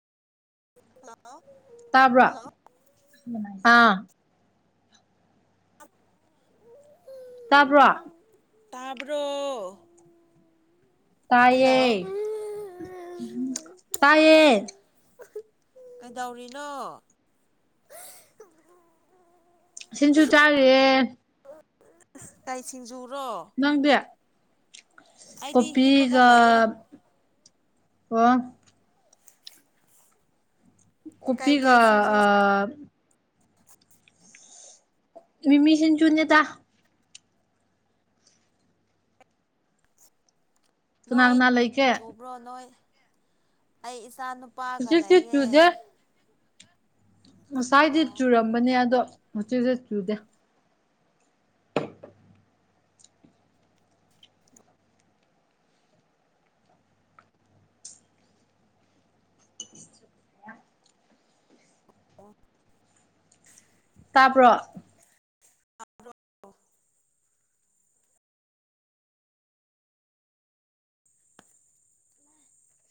hello ꯇꯥꯕ꯭ꯔꯣ hello ꯑꯥ ꯇꯥꯕ꯭ꯔꯣ ꯇꯥꯕ꯭ꯔꯣ ꯍꯜꯂꯣ ꯇꯥꯏꯌꯦ ꯇꯥꯏꯌꯦ ꯀꯩꯗꯧꯔꯤꯅꯣ ꯁꯤꯟꯖꯨ ꯆꯥꯔꯤꯌꯦ ꯀꯩ ꯁꯤꯡꯖꯨꯔꯣ ꯅꯪꯗꯤ ꯑꯩꯗꯤ ꯍꯤꯞꯄꯒ ꯀꯣꯄꯤꯒ ꯂꯩꯌꯦꯦ ꯋꯥ ꯀꯣꯄꯤꯒ ꯀꯩꯀꯩ ꯁꯤꯡꯖꯨ ꯃꯤ ꯃꯤꯁꯤꯟ ꯆꯨꯅꯦ ꯀꯅꯥ ꯅꯣꯏ ꯀꯅꯥ ꯂꯩꯒꯦ ꯣꯡ ꯆꯨꯕ꯭ꯔꯣ ꯅꯣꯏ ꯑꯩ ꯏꯆꯥ ꯅꯨꯨ ꯄꯥꯒ ꯍꯧꯖꯤꯛꯇꯤ ꯂꯩꯌꯦ ꯆꯨꯗꯦ ꯉꯁꯥꯏꯗꯤ ꯑꯣ ꯆꯨꯔꯝꯕꯅꯦ ꯑꯗꯣ ꯍꯧꯆꯤꯁꯨ ꯆꯨꯗꯦ ꯑ ꯇꯥꯕ꯭ꯔꯣ [unintelligible]